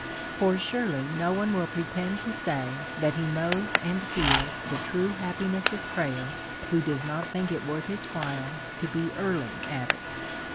For surely no one will pretend to say tiiat he knows and feels the true happiness of prayer, who does not think it worth his while to be early at it.